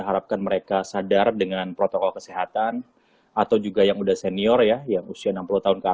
harapkan mereka sadar dengan protokol kesehatan atau juga yang udah senior ya yang usia enam puluh tahun